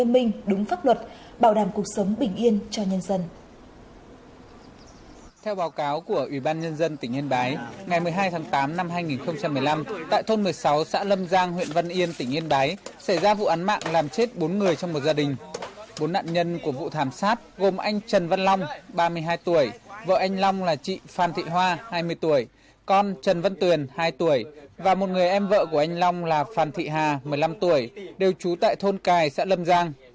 bốn nạn nhân của vụ thảm sát gồm anh trần văn long ba mươi hai tuổi vợ anh long là chị phan thị hoa hai mươi tuổi con trần văn tuyền hai tuổi và một người em vợ của anh long là phan thị hà một mươi năm tuổi đều trú tại thôn cài xã lâm giang